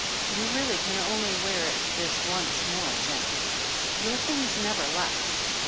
"You really can only wear it this once more, Jennie, Your things never last.